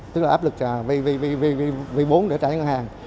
tức là áp lực v bốn để trả cho ngân hàng